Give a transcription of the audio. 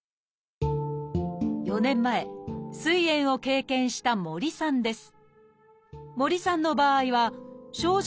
４年前すい炎を経験した森さんです。